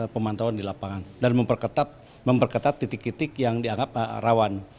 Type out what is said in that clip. pemantauan di lapangan dan memperketat titik titik yang dianggap rawan